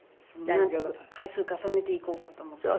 なんとか回数重ねていこうかと思って。